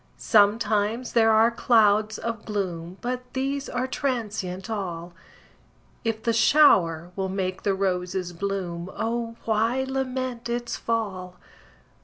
Sometimes there are clouds of gloom, But these are transient all; If the shower will make the roses bloom, O why lament its fall?